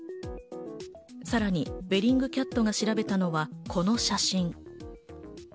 さらにベリングキャットが調べたのはこの写真。